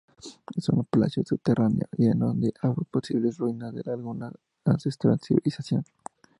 Es un palacio subterráneo lleno de agua, posibles ruinas de alguna ancestral civilización.